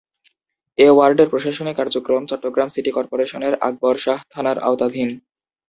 এ ওয়ার্ডের প্রশাসনিক কার্যক্রম চট্টগ্রাম সিটি কর্পোরেশনের আকবর শাহ থানার আওতাধীন।